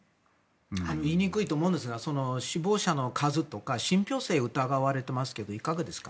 言いにくいと思うんですが死亡者の数とか信ぴょう性を疑われてますがいかがですか？